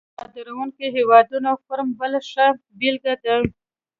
د ګازو صادرونکو هیوادونو فورم بله ښه بیلګه ده